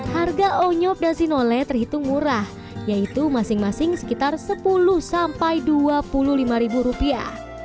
harga onyok dan sinole terhitung murah yaitu masing masing sekitar sepuluh sampai dua puluh lima ribu rupiah